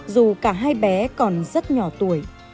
dù cả hai bé còn rất nhỏ tuổi